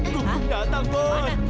gungkum datang bos